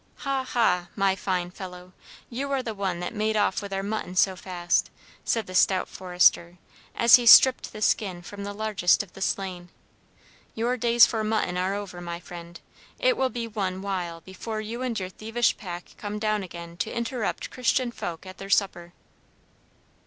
"Ha! ha! my fine fellow, you are the one that made off with our mutton so fast," said the stout forester, as he stripped the skin from the largest of the slain. "Your days for mutton are over, my friend. It will be one while before you and your thievish pack come down again to interrupt Christian folk at their supper!"